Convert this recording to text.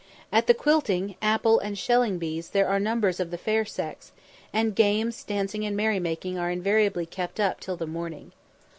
At the quilting, apple, and shelling bees there are numbers of the fair sex, and games, dancing, and merrymaking are invariably kept up till the morning.